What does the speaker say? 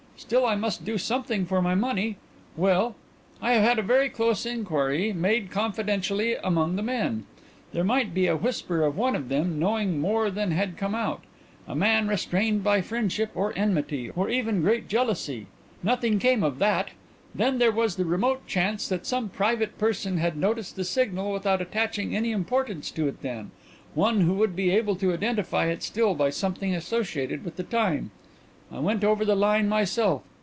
Still I must do something for my money. Well, I have had a very close inquiry made confidentially among the men. There might be a whisper of one of them knowing more than had come out a man restrained by friendship, or enmity, or even grade jealousy. Nothing came of that. Then there was the remote chance that some private person had noticed the signal without attaching any importance to it then, one who would be able to identify it still by something associated with the time. I went over the line myself.